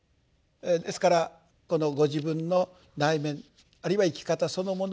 ですからご自分の内面あるいは生き方そのものを見つめる。